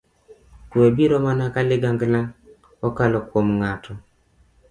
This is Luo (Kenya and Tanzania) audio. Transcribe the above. Kuwe biro mana ka ligangla okalo kuom ng'ato.